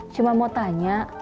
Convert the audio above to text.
cuman mau tanya